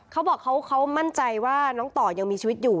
เขาบอกเขามั่นใจว่าน้องต่อยังมีชีวิตอยู่